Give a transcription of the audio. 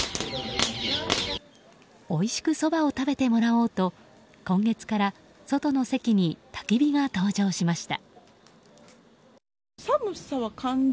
おいしくそばを食べてもらおうと今月から外の席にたき火が登場しました。